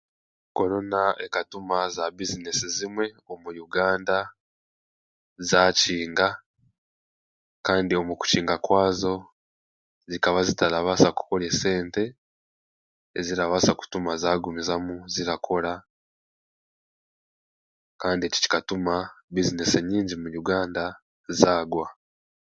Korona ekatuma zaabizinesi zimwe omu Uganda zaakinga kandi omu kukinga kwazo zikabazitarabasa kukora esente ezirabasa kutuma zaagumizamu zirakora kandi ekyo kikareeetera bizineesi enyingi mu Uganda zaagwa.